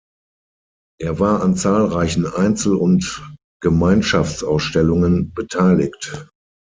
Er war an zahlreichen Einzel- und Gemeinschaftsausstellungen beteiligt.